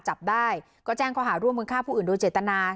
จับได้ก็แจ้งข้อหาร่วมมือฆ่าผู้อื่นโดยเจตนา